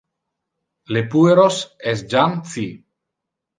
Le pueros es jam ci.